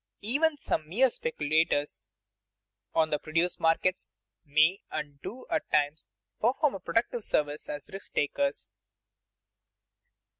_Even some mere speculators on the produce markets may and do at times perform a productive service as risk takers.